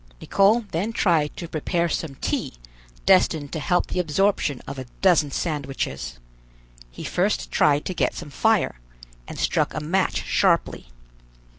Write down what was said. Nicholl then tried to prepare some tea destined to help the absorption of a dozen sandwiches. He first tried to get some fire, and struck a match sharply.